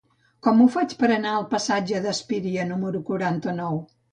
Com ho faig per anar al passatge d'Espíria número quaranta-nou?